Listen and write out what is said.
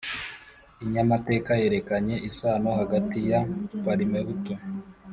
kinyamateka yerekanye isano hagati ya parimehutu